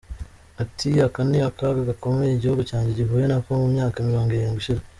Ati″Aka ni akaga gakomeye igihugu cyanjye gihuye nako mu myaka mirongo irindwi ishize.